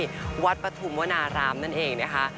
จะกรีนอยู่ที่วัดปฐุมวนารามนั่นเองนะคะ